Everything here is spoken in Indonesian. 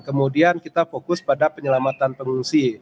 kemudian kita fokus pada penyelamatan pengungsi